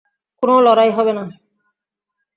কোনো লড়াই হবে না।